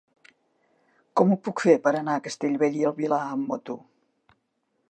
Com ho puc fer per anar a Castellbell i el Vilar amb moto?